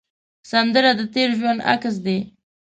سندره د تېر ژوند عکس دی